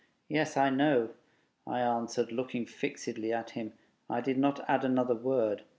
"Yes, I know," I answered, looking fixedly at him. I did not add another word....